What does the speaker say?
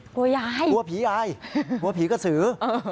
ยายกลัวผียายกลัวผีกระสือ